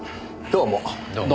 どうも。